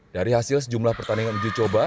dari hasil sejumlah pertandingan mencoba